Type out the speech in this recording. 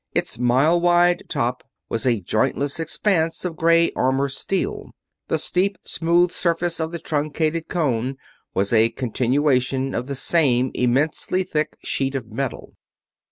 Its mile wide top was a jointless expanse of gray armor steel; the steep, smooth surface of the truncated cone was a continuation of the same immensely thick sheet of metal.